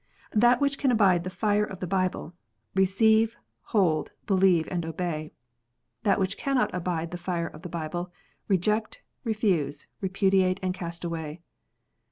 That which can abide the fire of the Bible, receive, hold, believe, and obey. That which cannot abide the fire of the Bible, reject, refuse, repudiate, and cast away."